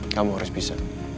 kamu harus bisa